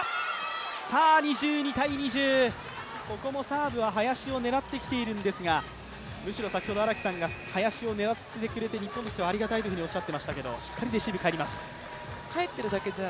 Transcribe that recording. さあ、２２−２０、ここもサーブは林を狙ってきているんですがむしろ先ほど荒木さんが林を狙ってくれて、日本としてはありがたいというふうにおっしゃってましたがレシーブ、しっかり返っています。